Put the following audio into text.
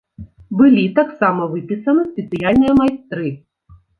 Былі таксама выпісаны спецыяльныя майстры.